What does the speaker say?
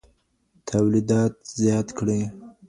تولیدات زیات کړئ.